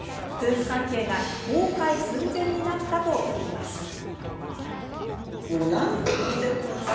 夫婦関係が崩壊寸前になったといいます。